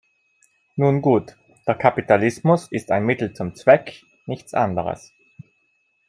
Nun gut, der Kapitalismus ist ein Mittel zum Zweck, nichts anderes.